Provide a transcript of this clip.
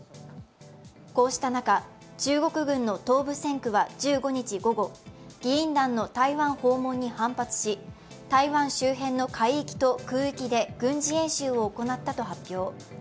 こうした中、中国軍の東部戦区は１５日午後、議員団の台湾訪問に反発し、台湾周辺の海域と空域で軍事演習を行ったと発表。